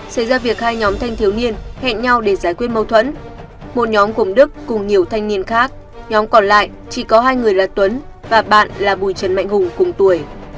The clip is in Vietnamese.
xảy ra việc hai nhóm thanh thiếu niên hẹn nhau để giải quyết mâu thuẫn một nhóm gồm đức cùng nhiều thanh niên khác nhóm còn lại chỉ có hai người là tuấn và bạn là bùi trần mạnh hùng cùng tuổi